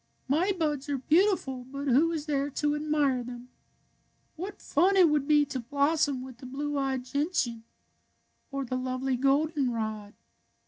My buds are beau tiful, but who is there to admire them? What fun it would be to blossom with the blue eyed gentian or the lovely goldenrod.